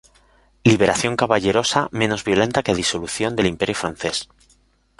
liberación caballerosa, menos violenta que la disolución del imperio francés